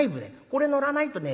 これ乗らないとね